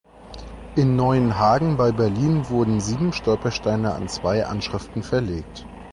In Neuenhagen bei Berlin wurden sieben Stolpersteine an zwei Anschriften verlegt.